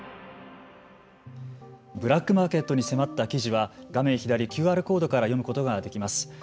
ブラックマーケットに迫った記事は画面左のＱＲコードから読むことができます。